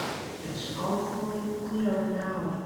It's awfully clear now.